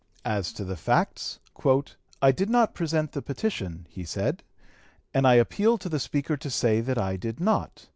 As to the facts: "I did not present the petition," he said, "and I appeal to the Speaker to say that I did not....